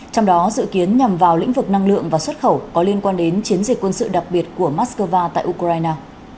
trong đó dự kiến nhằm vào lĩnh vực năng lượng và xuất khẩu có liên quan đến chiến dịch quân sự đặc biệt của moscow tại ukraine